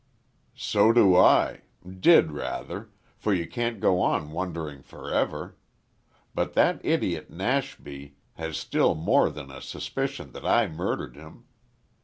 "So do I did rather for you can't go on wondering for ever. But that idiot, Nashby, has still more than a suspicion that I murdered him.